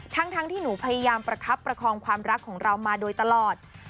ทั้งที่หนูพยายามประคับประคองความรักของเรามาโดยตลอด